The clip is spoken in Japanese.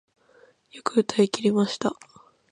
よく歌い切りました